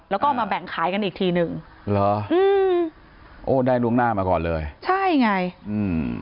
แล้วก็เอามาแบ่งขายกันอีกทีหนึ่งเหรออืมโอ้ได้ล่วงหน้ามาก่อนเลยใช่ไงอืม